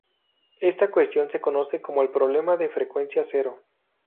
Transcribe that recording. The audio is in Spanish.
Esta cuestión se conoce como el problema de frecuencia cero.